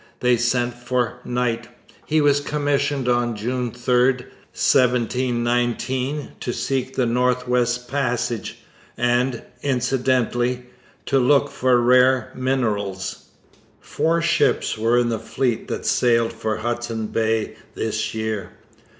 They sent for Knight. He was commissioned on June 3, 1719, to seek the North West Passage, and, incidentally, to look for rare minerals. Four ships were in the fleet that sailed for Hudson Bay this year.